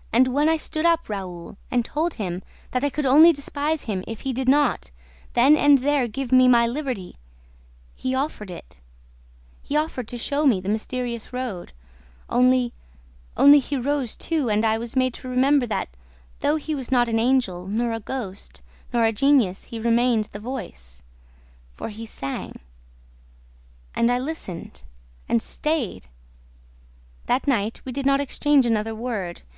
... And, when I stood up, Raoul, and told him that I could only despise him if he did not, then and there, give me my liberty ... he offered it ... he offered to show me the mysterious road ... Only ... only he rose too ... and I was made to remember that, though he was not an angel, nor a ghost, nor a genius, he remained the voice ... for he sang. And I listened ... and stayed! ... That night, we did not exchange another word.